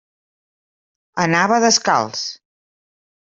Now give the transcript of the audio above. Anava descalç.